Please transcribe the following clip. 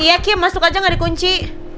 iya kim masuk aja gak dikunci